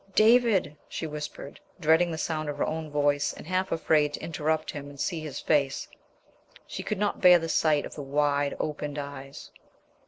"David!" she whispered, dreading the sound of her own voice, and half afraid to interrupt him and see his face. She could not bear the sight of the wide opened eyes.